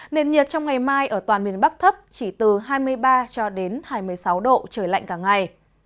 nền nhiệt trong ngày mai ở toàn miền bắc thấp chỉ từ hai mươi ba cho đến hai mươi sáu độ trời lạnh cả ngày